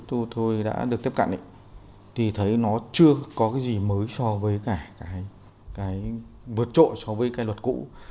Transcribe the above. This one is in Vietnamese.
lúc tôi đã được tiếp cận thì thấy nó chưa có cái gì mới so với cái vượt trộn so với cái luật cũ